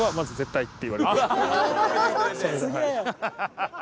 ハハハハ！